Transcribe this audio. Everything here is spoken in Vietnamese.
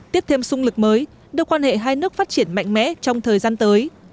tiếp thêm sung lực mới đưa quan hệ hai nước phát triển mạnh mẽ trong thời gian tới